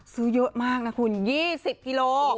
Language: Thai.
ซื้อเยอะมากนะคุณ๒๐กิโล